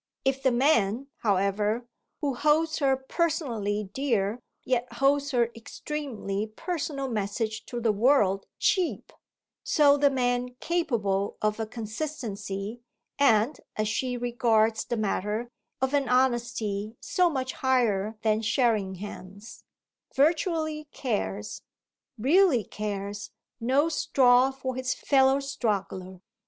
If the man, however, who holds her personally dear yet holds her extremely personal message to the world cheap, so the man capable of a consistency and, as she regards the matter, of an honesty so much higher than Sherringham's, virtually cares, "really" cares, no straw for his fellow struggler.